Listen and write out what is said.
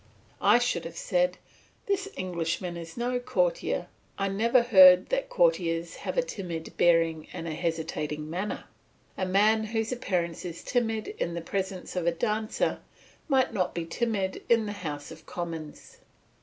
I should have said, "This Englishman is no courtier; I never heard that courtiers have a timid bearing and a hesitating manner. A man whose appearance is timid in the presence of a dancer might not be timid in the House of Commons."